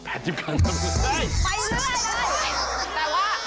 ไปเรื่อยเลย